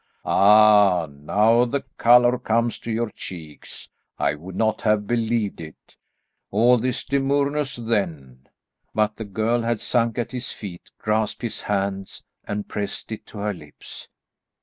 Ah, now the colour comes to your cheeks. I would not have believed it. All this demureness then " But the girl had sunk at his feet, grasped his hand and pressed it to her lips.